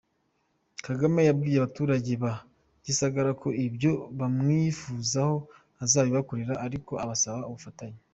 Kagame yabwiye abaturage ba Gisagara ko ibyo bamwifuzaho azabibakorera, ariko abasaba ubufatanye.